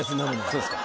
そうですか。